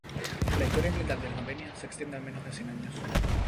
La historia militar de Eslovenia se extiende menos de cien años.